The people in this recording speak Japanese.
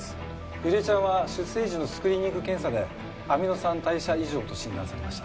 ゆりえちゃんは出生時のスクリーニング検査でアミノ酸代謝異常と診断されました。